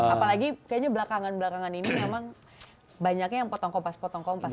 apalagi kayaknya belakangan belakangan ini memang banyaknya yang potong kompas potong kompas